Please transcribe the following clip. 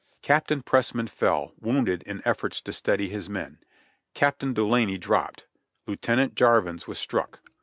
Captain Pressman fell, wounded in efforts to steady his men. Captain Dulaney dropped; Lieutenant Jarvins was struck; while '()l>v.